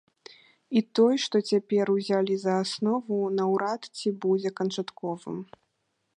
І той, што цяпер узялі за аснову, наўрад ці будзе канчатковым.